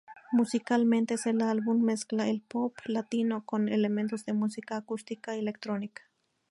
Musicalmente, el álbum mezcla el pop latino con elementos de música acústica y electrónica.